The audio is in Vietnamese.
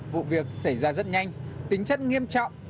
vụ việc xảy ra rất nhanh tính chất nghiêm trọng